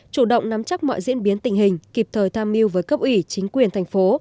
chủ động nắm chắc mọi diễn biến tình hình kịp thời tham mưu với cấp ủy chính quyền thành phố